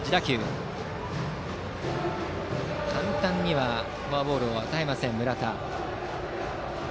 簡単にはフォアボールを与えません、村田。